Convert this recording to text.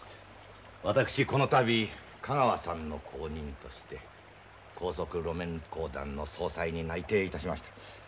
私このたび香川さんの後任として高速路面公団の総裁に内定いたしました。